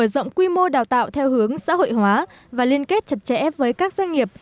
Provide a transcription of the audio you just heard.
rộng quy mô đào tạo theo hướng xã hội hóa và liên kết chặt chẽ với các doanh nghiệp